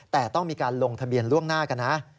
แต่ต้องมีการลงทะเบียนล่วงหน้ากันนะ